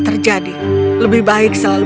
terjadi lebih baik selalu